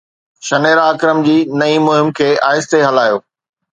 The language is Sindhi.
شنيرا اڪرم جي نئين مهم کي آهستي هلايو